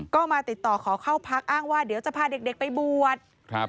ก็มาติดต่อขอเข้าพักอ้างว่าเดี๋ยวจะพาเด็กไปบวชครับ